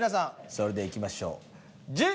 それではいきましょう。